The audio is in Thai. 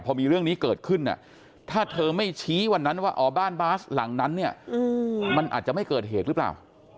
พอมีเรื่องนี้เกิดขึ้นเนี่ยถ้าเธอไม่ชี้วันนั้นว่าอ๋อบ้านบาสหลังนั้นเนี่ยมันอาจจะไม่เกิดเหตุหรือเปล่า